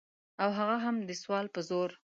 او هغه هم د سوال په زور.